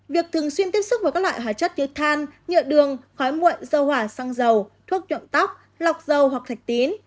việc thường xuyên tiếp xúc với các loại hóa chất như than nhựa đường khói muội dâu hỏa xăng dầu thuốc nhuộm tóc lọc dâu hoặc thạch tín